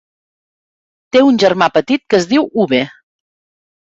Té un germà petit que es diu Uwe.